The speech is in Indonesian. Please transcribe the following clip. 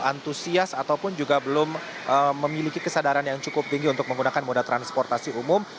antusias ataupun juga belum memiliki kesadaran yang cukup tinggi untuk menggunakan moda transportasi umum